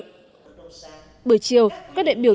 bữa chiều các đại biểu tiêu dân của quốc hội đã tham mưu các vùng này